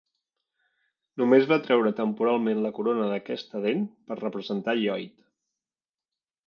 Només va treure temporalment la corona d'aquesta dent per representar Lloyd.